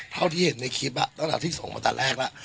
เท่าที่เห็นในคลิปอ่ะตั้งแต่ที่ส่งมาตั้งแต่แรกล่ะ